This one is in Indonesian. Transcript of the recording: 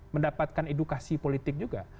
mendapatkan edukasi politik juga